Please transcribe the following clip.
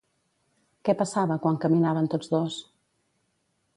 Què passava quan caminaven tots dos?